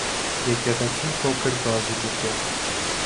Եկեղեցին փոքր բազիլիկ է։